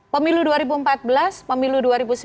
pemilu dua ribu empat belas pemilu dua ribu sembilan belas